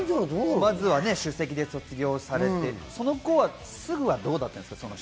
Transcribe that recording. まずは首席で卒業されて、その後すぐはどうだったんですか？